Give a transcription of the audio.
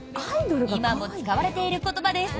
今も使われている言葉です。